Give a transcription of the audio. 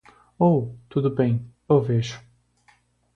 Oh, tudo bem, eu vejo.